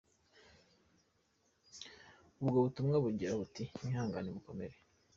Ubwo butumwa bugira buti ”Mwihangane mukomere.